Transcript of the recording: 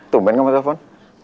tumpen kamu telepon